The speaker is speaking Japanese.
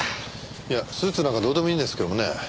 いやスーツなんかどうでもいいんですけどもね。